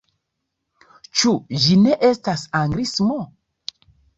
Ĉu ĝi ne estas anglismo?